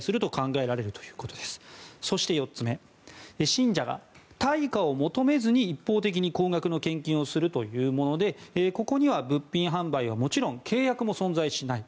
信者が対価を求めずに一方的に高額の献金をするというものでここには物品販売はもちろん契約も存在しない。